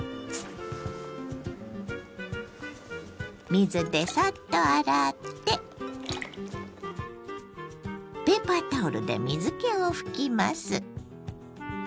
水でサッと洗ってペーパータオルで水けを拭きます。